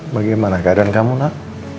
bagaimana keadaan kamu nak